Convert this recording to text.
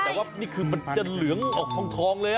แต่ว่ามันจะเหลืองออกทองเลย